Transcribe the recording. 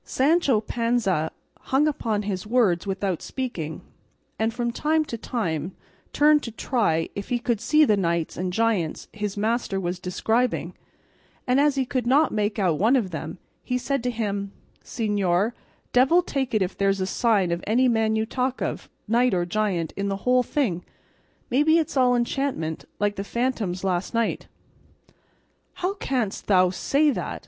Sancho Panza hung upon his words without speaking, and from time to time turned to try if he could see the knights and giants his master was describing, and as he could not make out one of them he said to him: "Señor, devil take it if there's a sign of any man you talk of, knight or giant, in the whole thing; maybe it's all enchantment, like the phantoms last night." "How canst thou say that!"